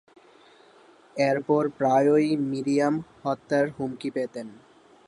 এরপর প্রায়ই মিরিয়াম হত্যার হুমকি পেতেন।